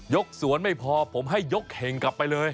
สวนไม่พอผมให้ยกเข่งกลับไปเลย